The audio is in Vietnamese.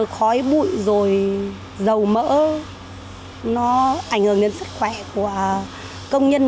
khói bụi rồi dầu mỡ nó ảnh hưởng đến sức khỏe của công nhân